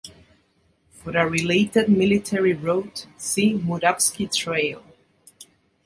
For a related military route, see Muravsky Trail.